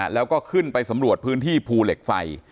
แล้วก็ขึ้นไปสำรวจพื้นที่ภูเหล็กไฟ